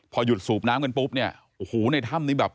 พอหยุดสูบน้ำกันปุ๊บเนี่ยโอ้โหในถ้ำนี้แบบ